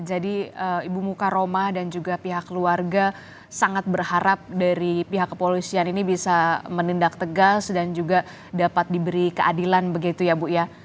jadi ibu mukaroma dan juga pihak keluarga sangat berharap dari pihak kepolisian ini bisa menindak tegas dan juga dapat diberi keadilan begitu ya bu ya